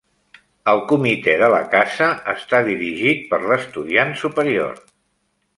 El Comitè de la Casa està dirigit per l'estudiant superior.